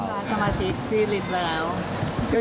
มีใครบ้างคะสมาชิกพลีฤทธิ์แล้ว